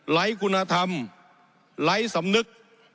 ไร้คุณธรรมไร้สำนึก